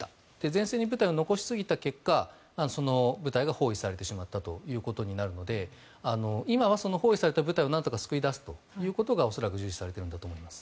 前線に部隊を残しすぎた結果部隊が包囲されてしまったということになるので今はその包囲された部隊を何とか救い出すということが恐らく重視されているんだと思います。